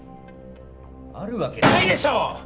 あるわけないでしょう！